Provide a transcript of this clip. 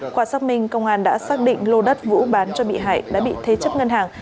qua xác minh công an đã xác định lô đất vũ bán cho bị hại đã bị thế chấp ngân hàng